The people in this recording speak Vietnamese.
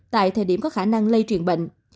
tại thời điểm có khả năng lây truyền bệnh